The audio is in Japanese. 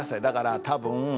だから多分。